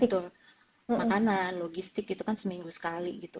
betul makanan logistik itu kan seminggu sekali gitu